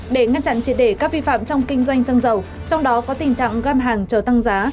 để ngăn chặn triệt để các vi phạm trong kinh doanh xăng dầu trong đó có tình trạng găm hàng chờ tăng giá